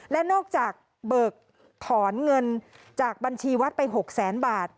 และนอกจากเบิกถอนเงินจากบัญชีวัดไป๖แสนบาท